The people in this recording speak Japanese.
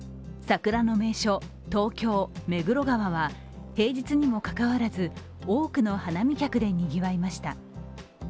桜の名所、東京・目黒川は平日にもかかわらず多くの花見客で賑わいました。